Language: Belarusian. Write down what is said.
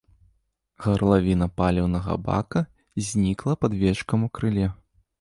Гарлавіна паліўнага бака знікла пад вечкам у крыле.